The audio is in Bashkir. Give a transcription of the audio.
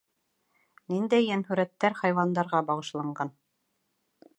Ниндәй йәнһүрәттәр хайуандарға бағышланған?